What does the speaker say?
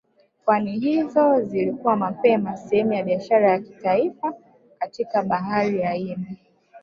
pwani hizo zilikuwa mapema sehemu ya biashara ya kimataifa katika Bahari Hindi